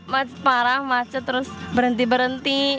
masih parah macet terus berhenti berhenti